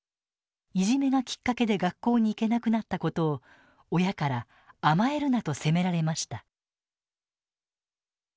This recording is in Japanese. いじめがきっかけで学校に行けなくなったことを親から甘えるなと責められました。